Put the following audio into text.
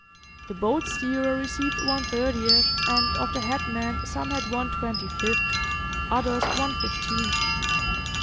The boat steerer received one thirtieth, and of the headmen some had one twenty fifth, others one fifteenth.